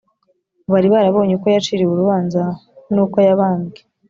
bari barabonye uko yaciriwe urubanza n’uko yabambwe